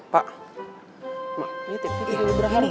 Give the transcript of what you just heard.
pak ini tipnya dulu berharga nih